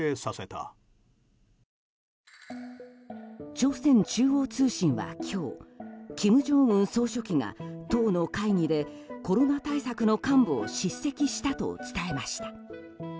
朝鮮中央通信は今日金正恩総書記が党の会議でコロナ対策の幹部を叱責したと伝えました。